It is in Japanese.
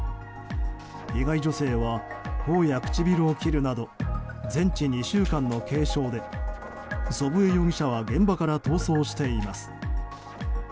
被害女性は頬や唇を切るなど全治２週間の軽傷で祖父江容疑者は現場から逃走しています。